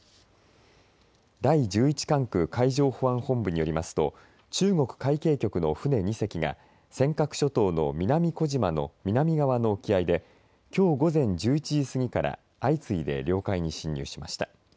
第１１管区海上保安本部によりますと中国海警局の船２隻が尖閣諸島の南小島の南側の沖合できょう午前１１時過ぎから相次いで領海に侵入しました。